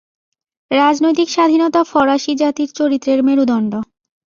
রাজনৈতিক স্বাধীনতা ফরাসী জাতির চরিত্রের মেরুদণ্ড।